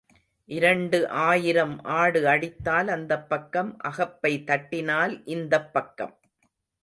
இரண்டு ஆயிரம் ஆடு அடித்தால் அந்தப் பக்கம் அகப்பை தட்டினால் இந்தப் பக்கம்.